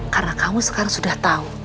karena kamu sekarang sudah tahu